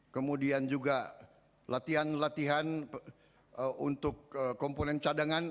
kemudian juga latihan latihan untuk komponen cadangan